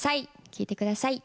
聴いてください。